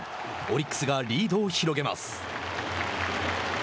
オリックスがリードを広げます。